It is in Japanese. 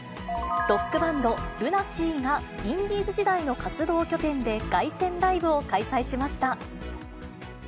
ロックバンド、ＬＵＮＡＳＥＡがインディーズ時代の活動拠点で凱旋ライブを開催しました。